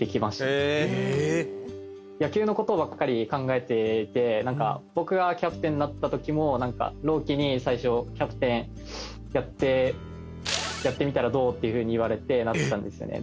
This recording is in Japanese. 野球の事ばっかり考えていて僕がキャプテンになった時も朗希に最初「キャプテンやってみたらどう？」っていうふうに言われてなったんですよね。